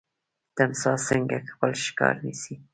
تمساح څنګه خپل ښکار نیسي؟